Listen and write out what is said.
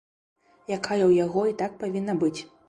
Якая ў яго і так павінна быць.